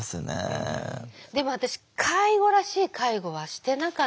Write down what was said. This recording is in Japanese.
でも私介護らしい介護はしてなかったです。